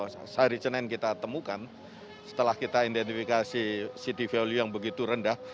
sehari senin kita temukan setelah kita identifikasi cd value yang begitu rendah